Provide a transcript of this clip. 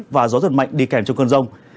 và gió giật mạnh đi kèm trong cơn rông